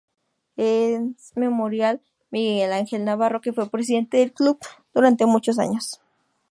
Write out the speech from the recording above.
Es memorial Miguel Angel Navarro, que fue presidente del club durante muchos años.